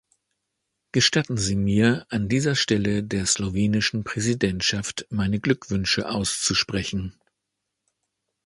Gestatten Sie mir, an dieser Stelle der slowenischen Präsidentschaft meine Glückwünsche auszusprechen.